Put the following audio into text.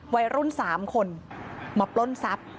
วัยรุ่น๓คนมาปล้นทรัพย์